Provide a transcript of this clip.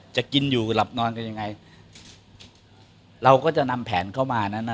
จะกินอยู่หลับนอนกันยังไงเราก็จะนำแผนเข้ามานั้นน่ะ